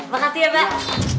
makasih ya pak